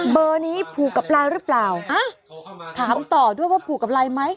เบอร์นี้ผูกกับลายหรือเปล่าถามต่อด้วยว่าผูกกับลายไหม